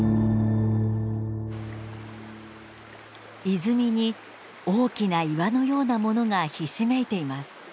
泉に大きな岩のようなものがひしめいています。